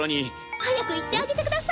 早く行ってあげてください。